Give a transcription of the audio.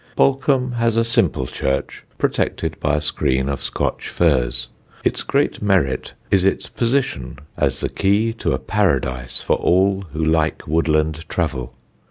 Balcombe has a simple church, protected by a screen of Scotch firs; its great merit is its position as the key to a paradise for all who like woodland travel.